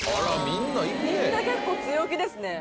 みんな結構強気ですね